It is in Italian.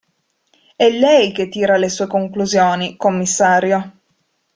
È lei che tira le sue conclusioni, commissario.